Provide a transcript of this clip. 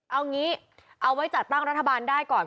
เอางี้เอาไว้จัดตั้งรัฐบาลได้ก่อน